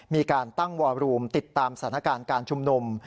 มีการตั้งวอรูมติดตามสถานการณ์การชุมนุม